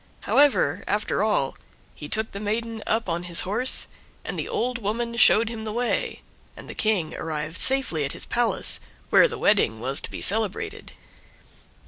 However, after all, he took the maiden up on his horse, and the old woman showed him the way, and the King arrived safely at his palace, where the wedding was to be celebrated.